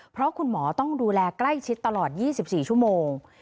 เพราะคุณหมอต้องดูแลใกล้ชิดตลอด๒๔ชั่วโมง